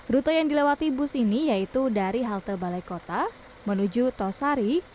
rute yang dilewati bus ini yaitu dari halte balai kota menuju tosari